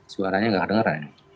suaranya tidak terdengar